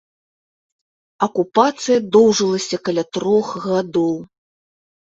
Акупацыя доўжылася каля трох гадоў.